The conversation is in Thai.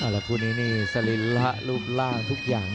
แล้วครู่นี้ศรีฬะรูปร่างทุกอย่างอย่าง